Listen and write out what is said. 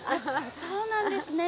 そうなんですね。